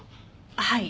はい。